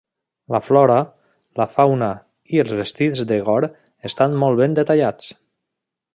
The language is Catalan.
La flora, la fauna i els vestits de Gor estan molt ben detallats.